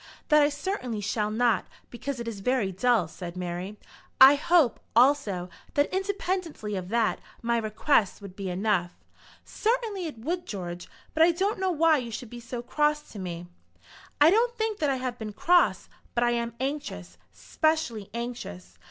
"That I certainly shall not, because it is very dull," said Mary. "I hope, also, that, independently of that, my request would be enough." "Certainly it would, George; but I don't know why you should be so cross to me." "I don't think that I have been cross; but I am anxious, specially anxious.